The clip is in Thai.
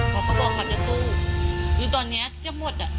พ่อบอกว่าจะสู้คือตอนนี้ทั้งหมด